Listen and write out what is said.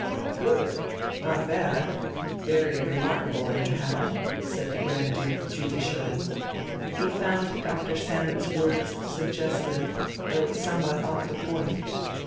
"Good ... not bad; very remarkable, anyhow," said the Grand Duke judicially. He found Dr. Sammet's words suggestive, though somewhat off the point.